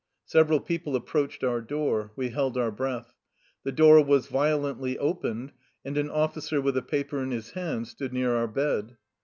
Several people approached our door. We held our breath. The door was violently opened, and an officer with a paper in his hand stood near our bed.